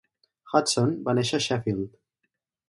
Hudson va néixer a Sheffield.